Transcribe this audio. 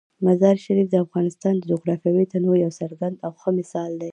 مزارشریف د افغانستان د جغرافیوي تنوع یو څرګند او ښه مثال دی.